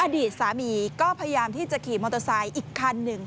อดีตสามีก็พยายามที่จะขี่มอเตอร์ไซค์อีกคันหนึ่ง